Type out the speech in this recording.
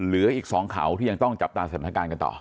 เหลืออีก๒เขาที่ยังต้องจับตาสถานการณ์กันต่อ